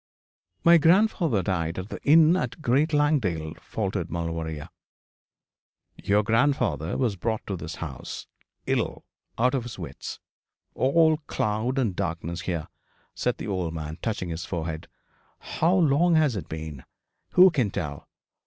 'My grandfather died at the inn at Great Langdale, faltered Maulevrier. 'Your grandfather was brought to this house ill out of his wits. All cloud and darkness here,' said the old man, touching his forehead. 'How long has it been? Who can tell?